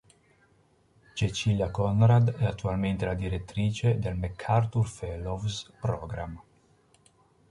Cecilia Conrad è attualmente la direttrice del MacArthur Fellows Program.